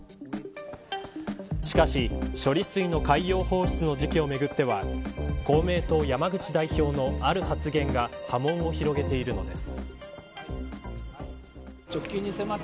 しかし処理水の海洋放出の時期をめぐっては公明党の山口代表のある発言が波紋を広げているのです。